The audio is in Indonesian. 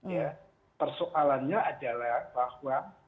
ya persoalannya adalah bahwa